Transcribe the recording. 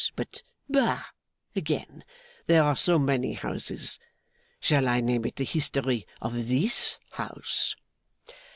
But, bah, again. There are so many houses. Shall I name it the history of this house?